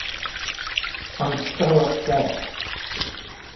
I'm so upset.